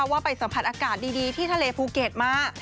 ว่าไปสัมผัสอากาศดีที่ทะเลภูเก็ตมา